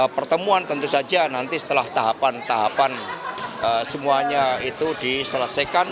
pertemuan tentu saja nanti setelah tahapan tahapan semuanya itu diselesaikan